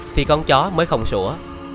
thì con chó mới không sủa